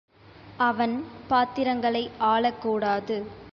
அவன் பாத்திரங்களை ஆளக்கூடாது.